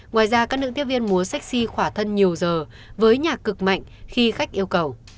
ngoài ra các nữ tiếp viên múa shxi khỏa thân nhiều giờ với nhạc cực mạnh khi khách yêu cầu